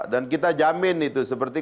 dan kita jamin itu seperti